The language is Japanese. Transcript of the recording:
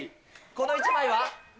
この１枚は？